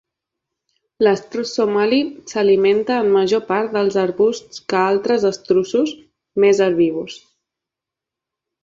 L'estruç somali s'alimenta en major part dels arbusts que altres estruços, més herbívors.